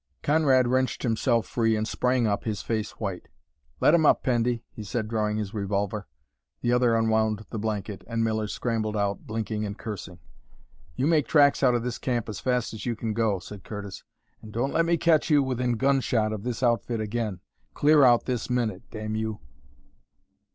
Conrad wrenched himself free and sprang up, his face white. "Let him up, Pendy," he said, drawing his revolver. The other unwound the blanket, and Miller scrambled out, blinking and cursing. "You make tracks out of this camp as fast as you can go," said Curtis, "and don't let me catch you within gunshot of this outfit again! Clear out, this minute, damn you!"